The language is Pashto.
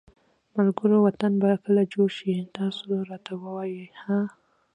ملګروو وطن به کله جوړ شي تاسو راته ووایی ها